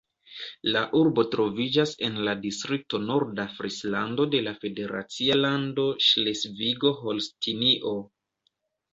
La urbo troviĝas en la distrikto Norda Frislando de la federacia lando Ŝlesvigo-Holstinio.